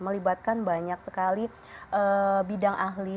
melibatkan banyak sekali bidang ahli